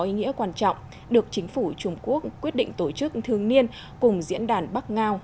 ý nghĩa quan trọng được chính phủ trung quốc quyết định tổ chức thường niên cùng diễn đàn bắc ngao